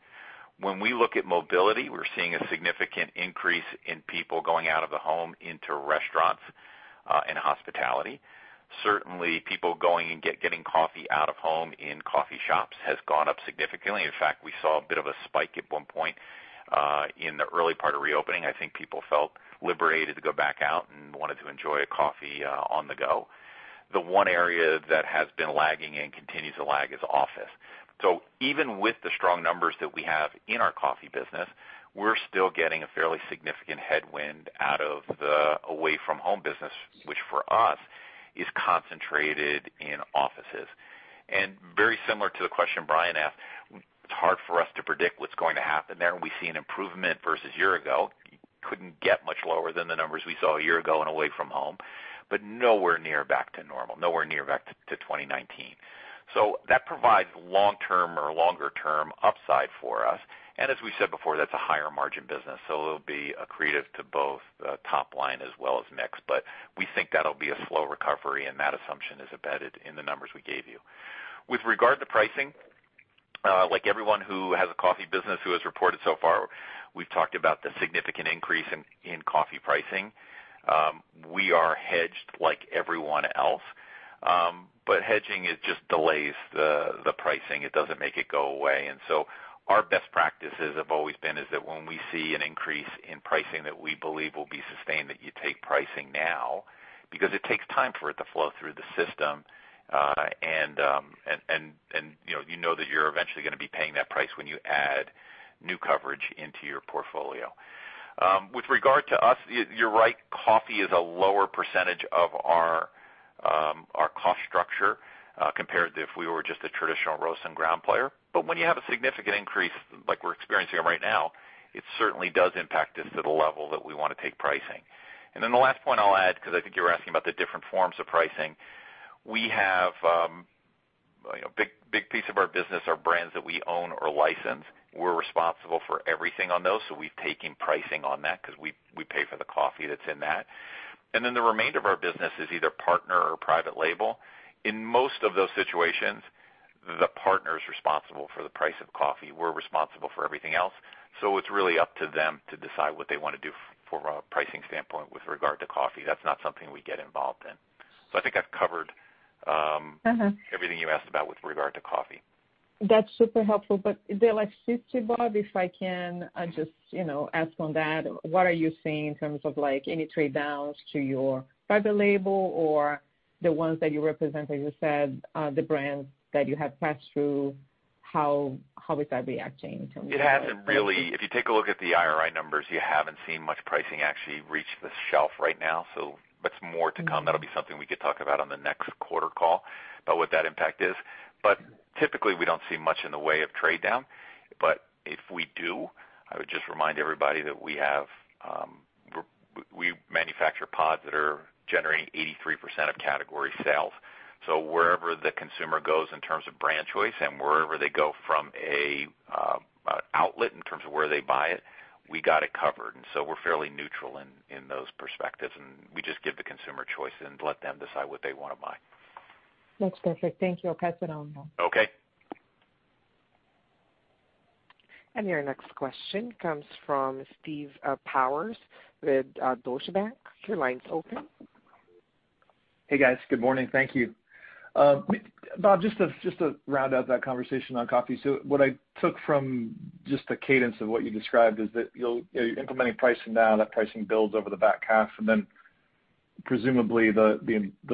When we look at mobility, we're seeing a significant increase in people going out of the home into restaurants and hospitality. Certainly, people going and getting coffee out of home in coffee shops has gone up significantly. In fact, we saw a bit of a spike at one point in the early part of reopening. I think people felt liberated to go back out and wanted to enjoy a coffee on the go. The one area that has been lagging and continues to lag is office. Even with the strong numbers that we have in our coffee business, we're still getting a fairly significant headwind out of the away from home business, which for us is concentrated in offices. Very similar to the question Bryan asked, it's hard for us to predict what's going to happen there. We see an improvement versus one year ago. Couldn't get much lower than the numbers we saw one year ago in away from home, but nowhere near back to normal, nowhere near back to 2019. That provides long-term or longer-term upside for us. As we said before, that's a higher margin business, so it'll be accretive to both the top line as well as mix. We think that'll be a slow recovery, and that assumption is embedded in the numbers we gave you. With regard to pricing, like everyone who has a coffee business who has reported so far, we've talked about the significant increase in coffee pricing. We are hedged like everyone else. Hedging, it just delays the pricing. It doesn't make it go away. Our best practices have always been is that when we see an increase in pricing that we believe will be sustained, that you take pricing now because it takes time for it to flow through the system. You know that you're eventually gonna be paying that price when you add new coverage into your portfolio. With regard to us, you're right, coffee is a lower percentage of our cost structure, compared to if we were just a traditional roast and ground player. When you have a significant increase like we're experiencing right now, it certainly does impact us to the level that we want to take pricing. The last point I'll add, because I think you were asking about the different forms of pricing. A big piece of our business are brands that we own or license. We're responsible for everything on those, so we've taken pricing on that because we pay for the coffee that's in that. The remainder of our business is either partner or private label. In most of those situations, the partner is responsible for the price of coffee. We're responsible for everything else. It's really up to them to decide what they want to do from a pricing standpoint with regard to coffee. That's not something we get involved in. I think I've covered everything you asked about with regard to coffee. That's super helpful. Is there like 50%, Bob, if I can just ask on that, what are you seeing in terms of any trade downs to your private label or the ones that you represent, as you said, the brands that you have passed through, how is that reacting in terms of? It hasn't really. If you take a look at the IRI numbers, you haven't seen much pricing actually reach the shelf right now. That's more to come. That'll be something we could talk about on the next quarter call about what that impact is. Typically, we don't see much in the way of trade down. If we do, I would just remind everybody that we manufacture pods that are generating 83% of category sales. Wherever the consumer goes in terms of brand choice and wherever they go from an outlet in terms of where they buy it, we got it covered. We're fairly neutral in those perspectives, and we just give the consumer choice and let them decide what they want to buy. That's perfect. Thank you. I'll pass it on now. Okay. Your next question comes from Steve Powers with Deutsche Bank. Your line's open. Hey, guys. Good morning. Thank you. Bob, just to round out that conversation on coffee. What I took from just the cadence of what you described is that you're implementing pricing now, that pricing builds over the back half, and then presumably the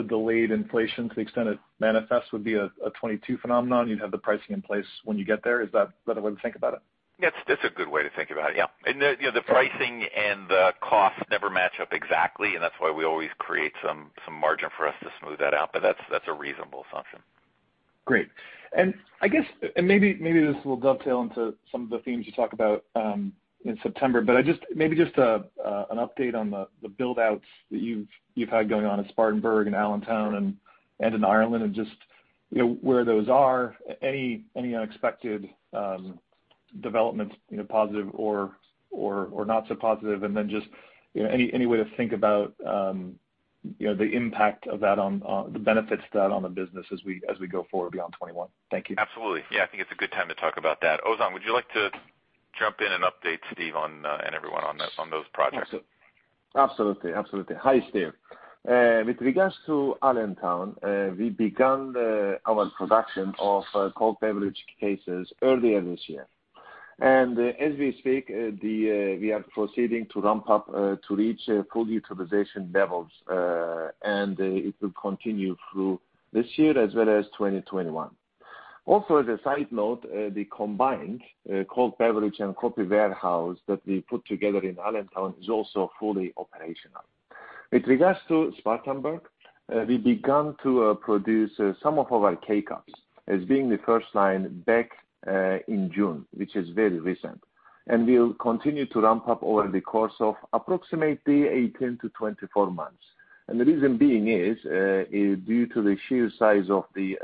delayed inflation to the extent it manifests would be a 2022 phenomenon. You'd have the pricing in place when you get there. Is that a way to think about it? That's a good way to think about it, yeah. The pricing and the cost never match up exactly, and that's why we always create some margin for us to smooth that out. That's a reasonable assumption. Great. Maybe this will dovetail into some of the themes you talk about in September, but maybe just an update on the build-outs that you've had going on at Spartanburg and Allentown and in Ireland, and just where those are. Any unexpected developments, positive or not so positive, and then just any way to think about the impact of that on the benefits of that on the business as we go forward beyond 2021? Thank you. Absolutely. Yeah, I think it's a good time to talk about that. Ozan, would you like to jump in and update Steve and everyone on those projects? Absolutely. Hi, Steve. With regards to Allentown, we began our production of cold beverage cases earlier this year. As we speak, we are proceeding to ramp up to reach full utilization levels, and it will continue through this year as well as 2021. Also, as a side note, the combined cold beverage and coffee warehouse that we put together in Allentown is also fully operational. With regards to Spartanburg, we began to produce some of our K-Cup as being the first line back in June, which is very recent. We'll continue to ramp up over the course of approximately 18-24 months. The reason being is, due to the sheer size of the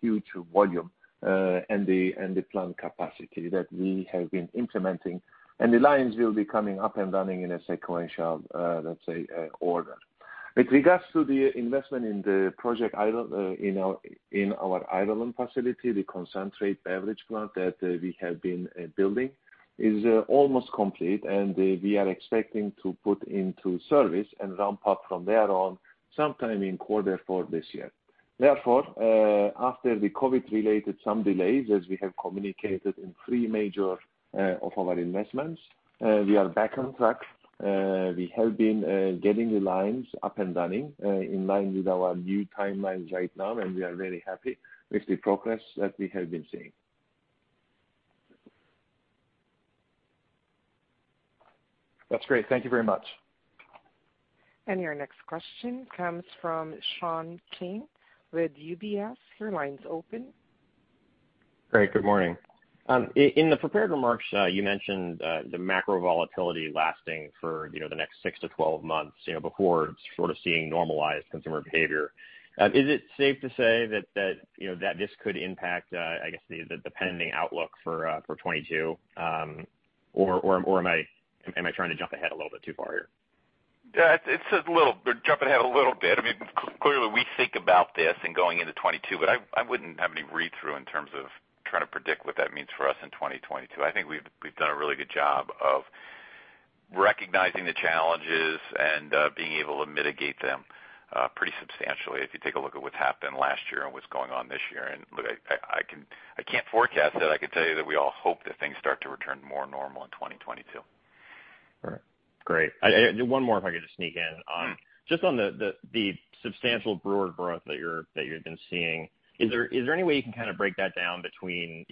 huge volume and the plant capacity that we have been implementing, and the lines will be coming up and running in a sequential, let's say, order. With regards to the investment in the project in our Ireland facility, the concentrate beverage plant that we have been building is almost complete, and we are expecting to put into service and ramp up from there on sometime in quarter four this year. Therefore, after the COVID related some delays, as we have communicated in three major of our investments, we are back on track. We have been getting the lines up and running in line with our new timelines right now, and we are very happy with the progress that we have been seeing. That's great. Thank you very much. Your next question comes from Sean King with UBS. Your line's open. Great. Good morning. In the prepared remarks, you mentioned the macro volatility lasting for the next 6-12 months before sort of seeing normalized consumer behavior. Is it safe to say that this could impact, I guess, the pending outlook for 2022? Am I trying to jump ahead a little bit too far here? It's jumping ahead a little bit. Clearly, we think about this in going into 2022, but I wouldn't have any read-through in terms of trying to predict what that means for us in 2022. I think we've done a really good job of recognizing the challenges and being able to mitigate them pretty substantially, if you take a look at what's happened last year and what's going on this year. Look, I can't forecast it. I can tell you that we all hope that things start to return more normal in 2022. All right, great. One more if I could just sneak in. Just on the substantial brewer growth that you've been seeing, is there any way you can kind of break that down between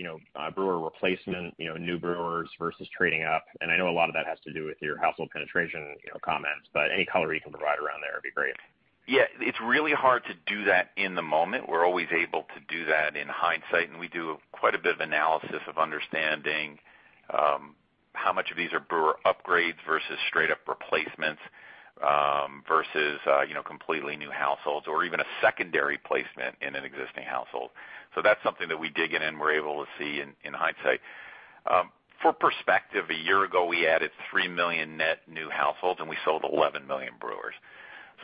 brewer replacement, new brewers versus trading up? I know a lot of that has to do with your household penetration comments, but any color you can provide around there would be great. Yeah, it's really hard to do that in the moment. We're always able to do that in hindsight, and we do quite a bit of analysis of understanding how much of these are brewer upgrades versus straight up replacements versus completely new households, or even a secondary placement in an existing household. That's something that we dig in and we're able to see in hindsight. For perspective, a year ago we added three million net new households, and we sold 11 million brewers.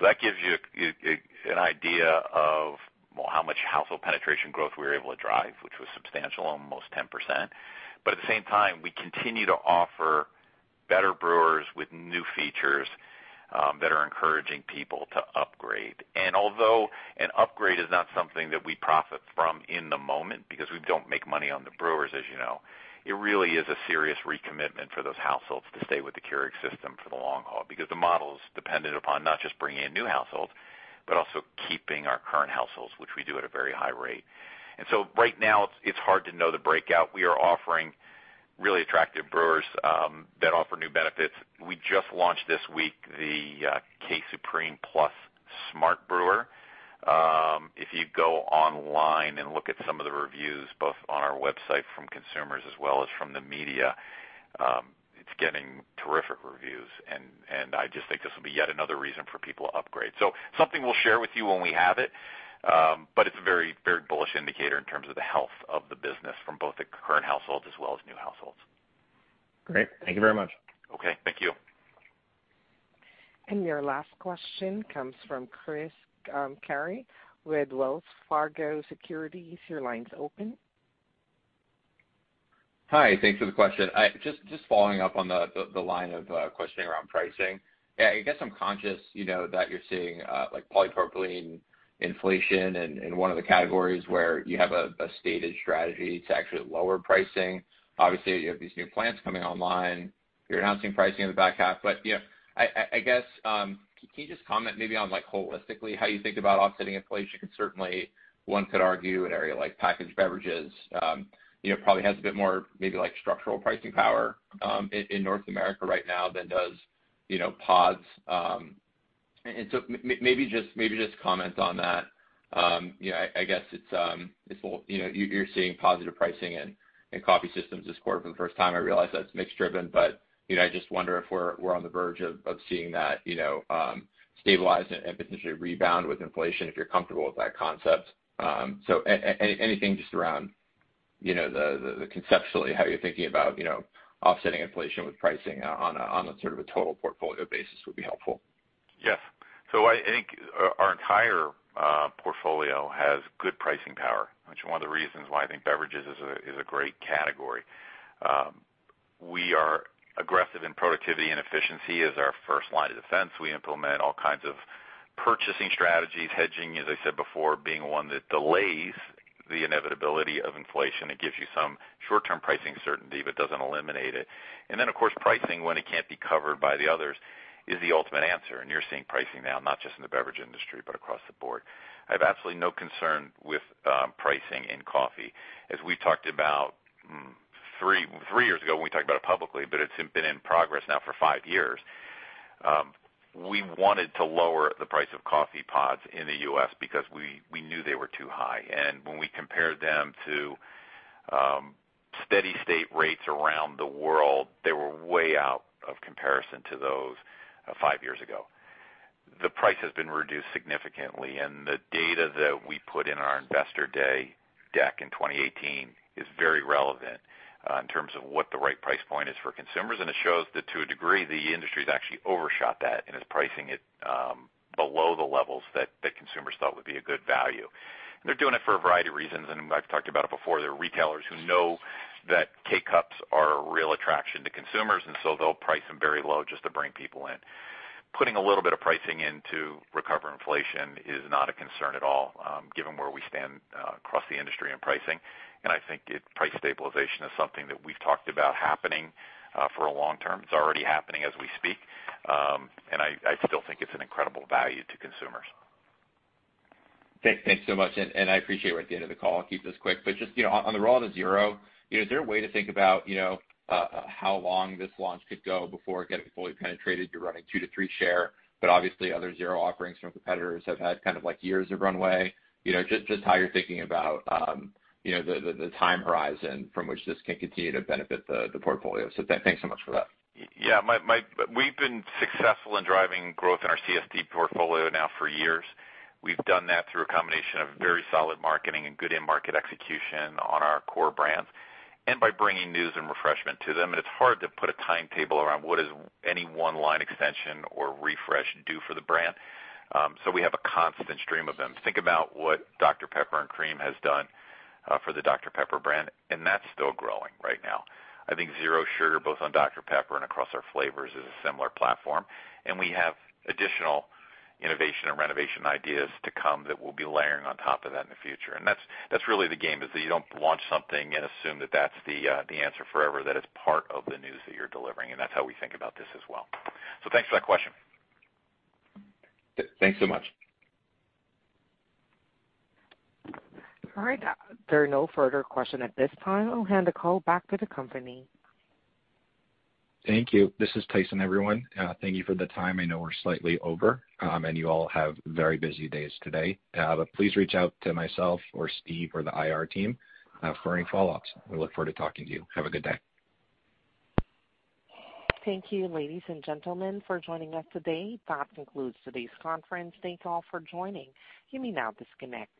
That gives you an idea of how much household penetration growth we were able to drive, which was substantial, almost 10%. At the same time, we continue to offer better brewers with new features that are encouraging people to upgrade. Although an upgrade is not something that we profit from in the moment because we don't make money on the brewers, as you know, it really is a serious recommitment for those households to stay with the Keurig system for the long haul. The model is dependent upon not just bringing in new households, but also keeping our current households, which we do at a very high rate. Right now, it's hard to know the breakout. We are offering really attractive brewers that offer new benefits. We just launched this week the K-Supreme Plus SMART brewer. If you go online and look at some of the reviews, both on our website from consumers as well as from the media, it's getting terrific reviews. I just think this will be yet another reason for people to upgrade. Something we'll share with you when we have it. It's a very bullish indicator in terms of the health of the business from both the current households as well as new households. Great. Thank you very much. Okay. Thank you. Your last question comes from Chris Carey with Wells Fargo Securities. Your line's open. Hi. Thanks for the question. Just following up on the line of questioning around pricing. I guess I'm conscious that you're seeing like polypropylene inflation in one of the categories where you have a stated strategy to actually lower pricing. Obviously, you have these new plants coming online. You're announcing pricing in the back half. I guess, can you just comment maybe on holistically how you think about offsetting inflation? Certainly one could argue an area like Packaged Beverages probably has a bit more maybe structural pricing power in North America right now than does pods. Maybe just comment on that. I guess you're seeing positive pricing in Coffee Systems this quarter for the first time. I realize that's mix driven, I just wonder if we're on the verge of seeing that stabilize and potentially rebound with inflation, if you're comfortable with that concept. Anything just around the conceptually how you're thinking about offsetting inflation with pricing on a sort of a total portfolio basis would be helpful. Yes. I think our entire portfolio has good pricing power, which is one of the reasons why I think beverages is a great category. We are aggressive in productivity and efficiency as our first line of defense. We implement all kinds of purchasing strategies. Hedging, as I said before, being one that delays the inevitability of inflation. It gives you some short-term pricing certainty, but doesn't eliminate it. Then, of course, pricing when it can't be covered by the others is the ultimate answer. You're seeing pricing now, not just in the beverage industry, but across the board. I have absolutely no concern with pricing in coffee. We talked about three years ago when we talked about it publicly, but it's been in progress now for five years. We wanted to lower the price of coffee pods in the U.S. because we knew they were too high. When we compared them to steady state rates around the world, they were way out of comparison to those five years ago. The price has been reduced significantly, and the data that we put in our Investor Day deck in 2018 is very relevant in terms of what the right price point is for consumers. It shows that to a degree, the industry's actually overshot that and is pricing it below the levels that consumers thought would be a good value. They're doing it for a variety of reasons, and I've talked about it before. There are retailers who know that K-Cups are a real attraction to consumers, and so they'll price them very low just to bring people in. Putting a little bit of pricing in to recover inflation is not a concern at all, given where we stand across the industry in pricing. I think price stabilization is something that we've talked about happening for a long term. It's already happening as we speak. I still think it's an incredible value to consumers. Thanks so much. I appreciate we're at the end of the call. I'll keep this quick. Just on the roll out of Zero Sugar, is there a way to think about how long this launch could go before it gets fully penetrated? You're running two to three share, but obviously other Zero Sugar offerings from competitors have had years of runway. Just how you're thinking about the time horizon from which this can continue to benefit the portfolio. Thanks so much for that. Yeah. We've been successful in driving growth in our CSD portfolio now for years. We've done that through a combination of very solid marketing and good in-market execution on our core brands, and by bringing news and refreshment to them. It's hard to put a timetable around what is any one line extension or refresh do for the brand. We have a constant stream of them. Think about what Dr Pepper and Cream has done for the Dr Pepper brand, and that's still growing right now. I think Zero Sugar, both on Dr Pepper and across our flavors, is a similar platform. We have additional innovation and renovation ideas to come that we'll be layering on top of that in the future. That's really the game, is that you don't launch something and assume that that's the answer forever, that it's part of the news that you're delivering, and that's how we think about this as well. Thanks for that question. Thanks so much. All right. There are no further questions at this time. I'll hand the call back to the company. Thank you. This is Tyson, everyone. Thank you for the time. I know we're slightly over, and you all have very busy days today. Please reach out to myself or Steve or the IR team for any follow-ups. We look forward to talking to you. Have a good day. Thank you, ladies and gentlemen, for joining us today. That concludes today's conference. Thanks all for joining. You may now disconnect.